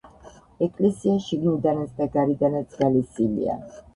ეკლესია შიგნიდანაც და გარედანაც გალესილია.